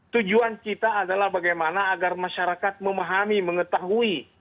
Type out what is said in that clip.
tujuan kita adalah bagaimana agar masyarakat memahami mengetahui